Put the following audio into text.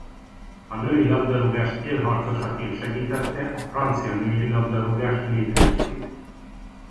A női-labdarúgás élharcosaként segítette a francia női-labdarúgás létrejöttét.